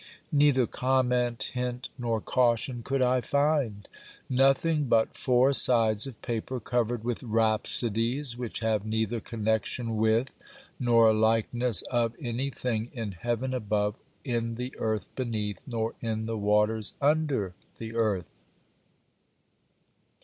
Neither comment, hint, nor caution, could I find. Nothing but four sides of paper covered with rhapsodies which have neither connection with nor likeness of any thing in heaven above, in the earth beneath, nor in the waters under the earth.